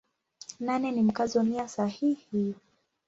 Nane ni Mkazo nia sahihi.